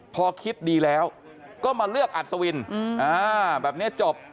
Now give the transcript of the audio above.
พอคิดดีแล้วก็มาเลือกอัศวินแบบนี้จบ